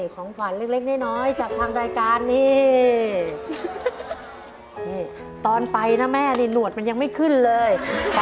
ของขวัญเล็กน้อยจากทางรายการนี่นี่ตอนไปนะแม่นี่หนวดมันยังไม่ขึ้นเลย